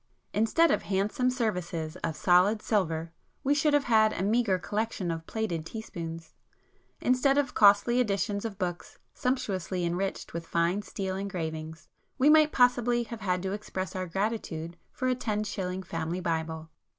Instead of handsome services of solid silver, we should have had a meagre collection of plated teaspoons; instead of costly editions of books sumptuously enriched with fine steel engravings, we might possibly have had to express our gratitude for a ten shilling Family Bible.